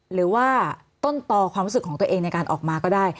หรือว่าต้นต่อความรู้สึกของตัวเองในการออกมาก็ได้